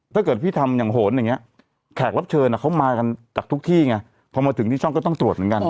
ถ้าเกิดพี่ทำอย่างโหนอย่างนี้แขกรับเชิญเขามากันจากทุกที่ไงพอมาถึงที่ช่องก็ต้องตรวจเหมือนกัน